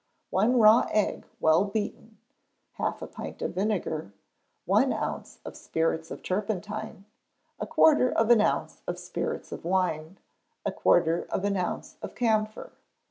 One raw egg well beaten, half a pint of vinegar, one ounce of spirits of turpentine, a quarter of an ounce of spirits of wine, a quarter of an ounce of camphor.